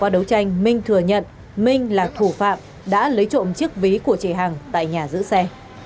đấu tranh minh thừa nhận minh là thủ phạm đã lấy trộm chiếc ví của chị hằng tại nhà giữ xe